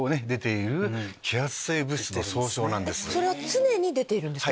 それは常に出てるんですか？